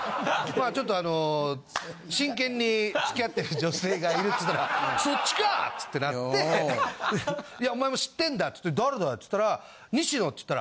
「ちょっとあの真剣に付き合っている女性がいる」つったら「そっちか！」っつってなって「お前も知ってんだ」って「誰だよ？」っつったら「西野」って言ったら。